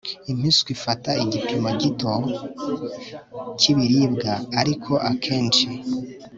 impiswi fata igipimo gito cy' ibiribwa ariko akenshi